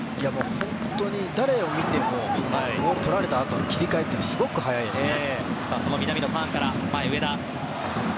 本当に、誰を見てもボールをとられた後の切り替えがすごく早いですよね。